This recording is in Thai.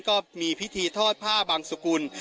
ก็มีพิธีทอดผ้าบางสุกุล